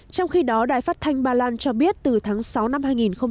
trong khi đó đài phát thanh ba lan cho biết từ tháng sáu năm hai nghìn một mươi tám